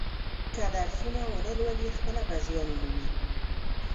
که درسونه و نه لولي خپله به زیان و مومي.